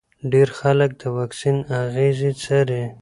ډېر خلک د واکسین اغېزې څاري.